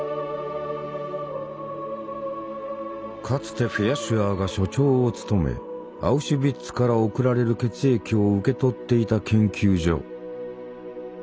かつてフェアシュアーが所長を務めアウシュビッツから送られる血液を受け取っていた研究所。